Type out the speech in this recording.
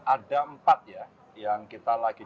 ada empat ya yang kita lagi